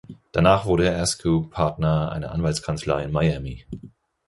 Danach wurde Askew Partner einer Anwaltskanzlei in Miami.